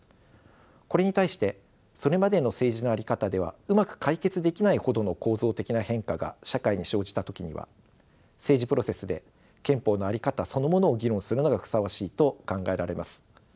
これに対してそれまでの政治の在り方ではうまく解決できないほどの構造的な変化が社会に生じた時には政治プロセスで憲法の在り方そのものを議論するのがふさわしいと考えられます。